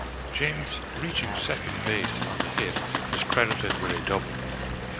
James, reaching second base on the hit, was credited with a double.